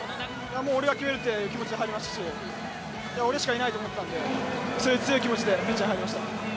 俺が決めるという気持ちで入りましたし俺しかいないと思ったので、そういう強い気持ちでピッチに入りました。